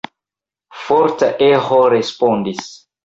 Forta eĥo respondis.